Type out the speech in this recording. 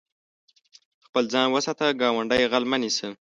خپل ځان وساته، ګاونډی غل مه نيسه.